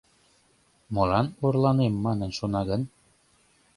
Молан орланем манын шона гын?